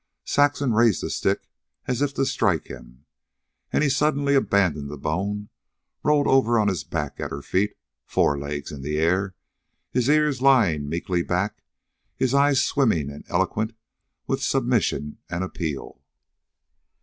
Saxon raised the stick as if to strike him, and he suddenly abandoned the bone, rolled over on his back at her feet, four legs in the air, his ears lying meekly back, his eyes swimming and eloquent with submission and appeal.